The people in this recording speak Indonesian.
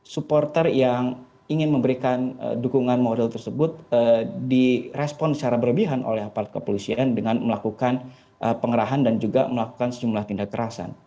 supporter yang ingin memberikan dukungan moral tersebut direspon secara berlebihan oleh aparat kepolisian dengan melakukan pengerahan dan juga melakukan sejumlah tindak kekerasan